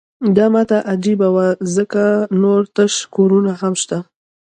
دا ماته عجیبه وه ځکه نور تش کورونه هم شته